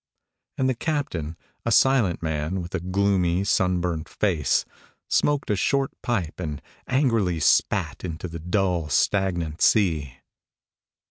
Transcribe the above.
And the captain, a silent man with a gloomy, sunburnt face, smoked a short pipe and angrily spat into the dull, stagnant sea.